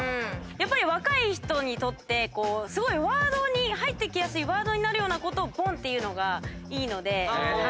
やっぱり若い人にとってすごい入ってきやすいワードになるようなことをぽんって言うのがいいので。